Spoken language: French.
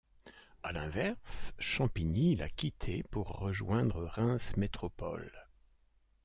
À l'inverse, Champigny l'a quitté pour rejoindre Reims Métropole.